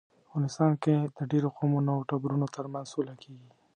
افغانستان کې د ډیرو قومونو او ټبرونو ترمنځ سوله کیږي